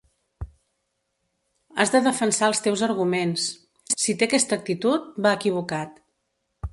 Has de defensar els teus arguments… si té aquesta actitud, va equivocat.